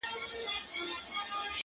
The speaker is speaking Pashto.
تا ولي په سوالونو کي سوالونه لټوله ؛